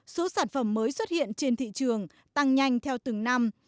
số sản phẩm mới xuất hiện trên thị trường tăng nhanh theo từng năm